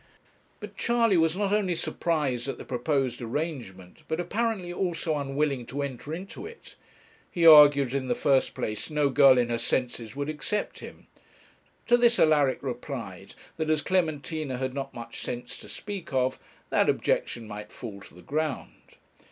But Charley was not only surprised at the proposed arrangement, but apparently also unwilling to enter into it. He argued that in the first place no girl in her senses would accept him. To this Alaric replied that as Clementina had not much sense to speak of, that objection might fall to the ground.